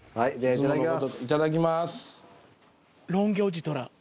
いただきます